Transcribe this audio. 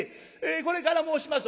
これから申します